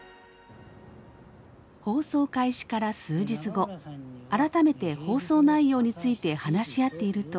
放送開始から数日後改めて放送内容について話し合っていると。